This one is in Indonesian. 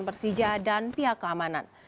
persija dan pihak keamanan